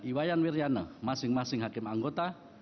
iwayan wiryana masing masing hakim anggota